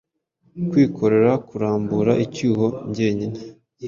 kwikorera kurambura icyuho njyenyine,